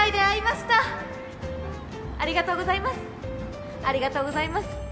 ありがとうございます。